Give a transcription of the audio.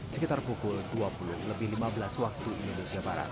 sekitar pukul dua puluh lebih lima belas waktu indonesia barat